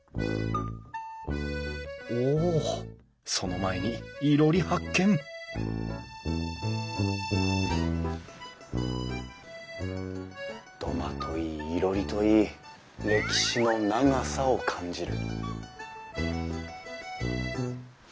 おその前に囲炉裏発見土間といい囲炉裏といい歴史の長さを感じる。